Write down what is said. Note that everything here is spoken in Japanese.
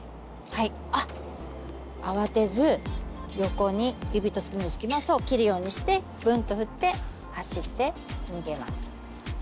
慌てず横に指と指のすき間を切るようにしてブンと振って走って逃げます。